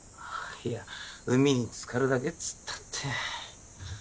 いや海につかるだけっつったって。